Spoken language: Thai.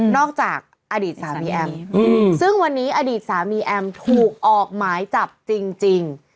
จากอดีตสามีแอมซึ่งวันนี้อดีตสามีแอมถูกออกหมายจับจริง